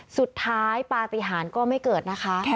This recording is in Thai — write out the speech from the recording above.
สุดท้ายปฏิหารก็ไม่เกิดนะคะ